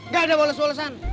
gak ada boles bolesan